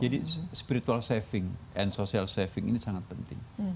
jadi spiritual saving and social saving ini sangat penting